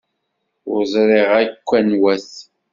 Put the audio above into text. Ur ẓriɣ akk anwa-t.